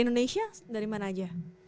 indonesia dari mana aja